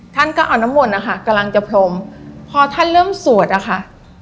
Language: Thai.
ท่านก็อ่อนหมดนะคะกำลังจะพรหมพอท่านเริ่มสวดนะคะ